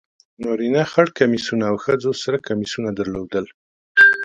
نارینه خر کمیسونه او ښځو سره کمیسونه درلودل.